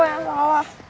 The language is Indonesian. gue yang salah